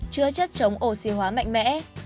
chứa chất chống oxy hóa mạnh mẽ